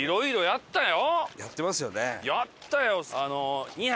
やったよ。